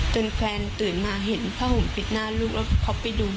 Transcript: แฟนตื่นมาเห็นผ้าห่มปิดหน้าลูกแล้วเขาไปดู